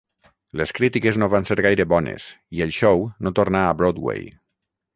Les crítiques no van ser gaire bones, i el show no tornà a Broadway.